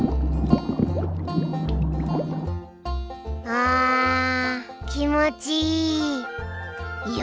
あ気持ちいい！